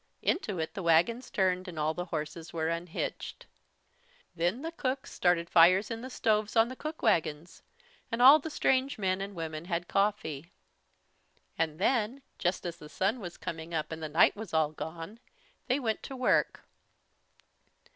Into it the wagons turned and all the horses were unhitched. Then the cooks started fires in the stoves on the cook wagons, and all the strange men and women had coffee. And then, just as the Sun was coming up and the night was all gone, they went to work.